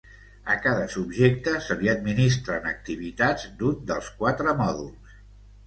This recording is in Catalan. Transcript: A cada subjecte se li administren activitats d'un dels quatre mòduls.